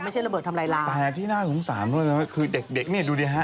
ไม่ใช่ระเบิดทำไรลาแต่ที่น่าสงสารคือเด็กเนี่ยดูดิฮะ